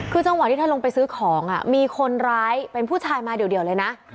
คือจังหวะที่เธอลงไปซื้อของมีคนร้ายเป็นผู้ชายมาเดี่ยวเลยนะ